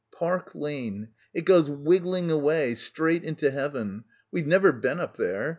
Park Lane. It goes wiggling away, straight into heaven. We've never been up there.